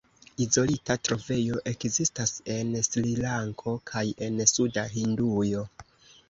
Izolita trovejo ekzistas en Srilanko kaj en suda Hindujo.